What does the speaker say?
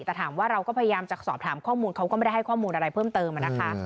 แต่ถามว่าเราก็พยายามจะสอบถามข้อมูลเขาก็ไม่ได้ให้ข้อมูลอะไรเพิ่มเติมนะคะ